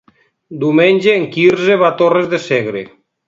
Diumenge en Quirze va a Torres de Segre.